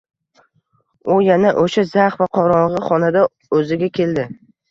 U yana o’sha zax va qorong’i xonada o’ziga keldi.